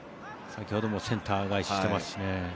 先ほどもセンター返し、してますしね。